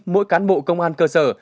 mỗi cán bộ công an cơ sở